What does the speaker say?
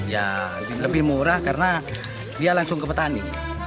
ya lebih murah karena dia langsung ke petani